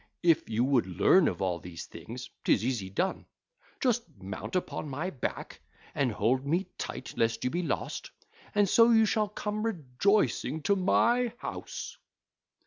If you would learn of all these things, 'tis easy done: just mount upon my back and hold me tight lest you be lost, and so you shall come rejoicing to my house.